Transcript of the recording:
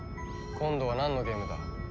今度はなんのゲームだ？